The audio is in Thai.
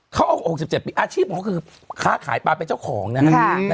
เขาเอา๖๗ปีอาชีพของเขาคือค้าขายปลาเป็นเจ้าของนะครับ